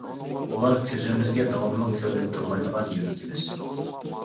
ئۇلار كۆزىمىزگە داۋاملىق كۆرۈنۈپ تۇرمايدىغان يۈرىكىمىز.